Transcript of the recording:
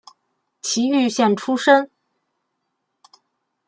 崎玉县出身。